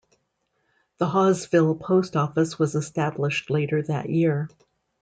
The Hawesville post office was established later that year.